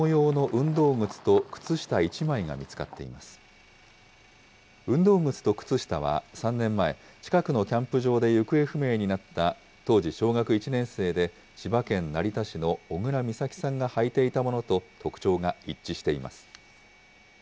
運動靴と靴下は３年前、近くのキャンプ場で行方不明になった当時小学１年生で、千葉県成田市の小倉美咲さんが履いていたものと特徴が一致しています。